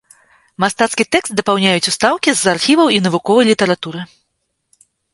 Мастацкі тэкст дапаўняюць устаўкі з архіваў і навуковай літаратуры.